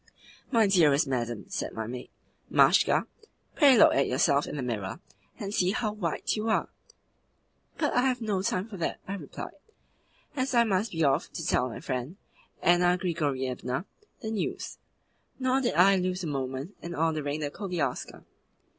'My dearest madam,' said my maid, Mashka, 'pray look at yourself in the mirror, and see how white you are.' 'But I have no time for that,' I replied, 'as I must be off to tell my friend, Anna Grigorievna, the news.' Nor did I lose a moment in ordering the koliaska.